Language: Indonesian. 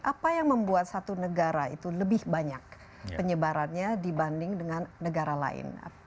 apa yang membuat satu negara itu lebih banyak penyebarannya dibanding dengan negara lain